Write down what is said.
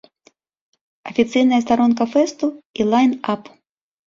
Афіцыйная старонка фэсту і лайн-ап.